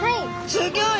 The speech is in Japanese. すギョい！